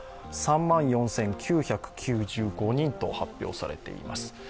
３万４９９５人と発表されています。